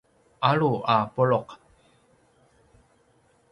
alu a pulu’